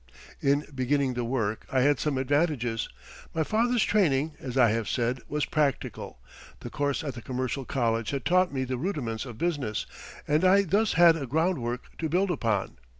In beginning the work I had some advantages. My father's training, as I have said, was practical, the course at the commercial college had taught me the rudiments of business, and I thus had a groundwork to build upon.